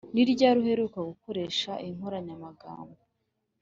ni ryari uheruka gukoresha iyi nkoranyamagambo?